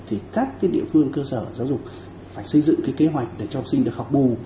thì các địa phương cơ sở giáo dục phải xây dựng cái kế hoạch để cho học sinh được học bù